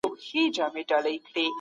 هغه څوک چي زحمت باسي، بريالي کېږي.